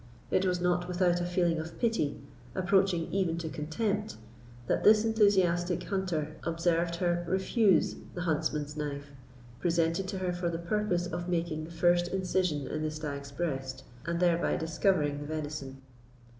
It was not without a feeling of pity, approaching even to contempt, that this enthusiastic hunter observed her refuse the huntsman's knife, presented to her for the purpose of making the first incision in the stag's breast, and thereby discovering the venison.